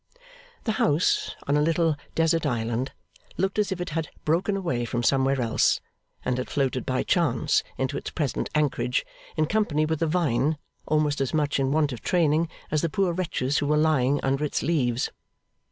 The house, on a little desert island, looked as if it had broken away from somewhere else, and had floated by chance into its present anchorage in company with a vine almost as much in want of training as the poor wretches who were lying under its leaves.